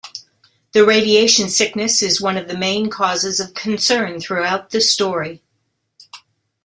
The radiation sickness is one of the main causes of concern throughout the story.